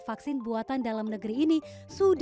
vaksin buatan dalam negeri ini sudah